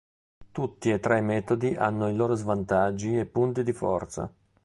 Tutti e tre i metodi hanno i loro svantaggi e punti di forza.